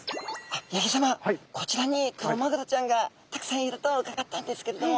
八木さまこちらにクロマグロちゃんがたくさんいると伺ったんですけれども。